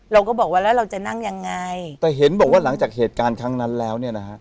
เราก็บอกว่าแล้วเราจะนั่งยังไงแต่เห็นบอกว่าหลังจากเหตุการณ์ครั้งนั้นแล้วเนี่ยนะฮะ